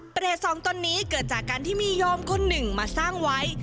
สองตนนี้เกิดจากการที่มีโยมคนหนึ่งมาสร้างไว้